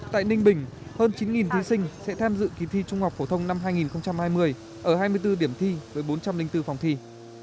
tại ninh bình hơn chín thí sinh sẽ tham dự kỳ thi trung học phổ thông năm hai nghìn hai mươi ở hai mươi bốn điểm thi với bốn trăm linh bốn phòng thi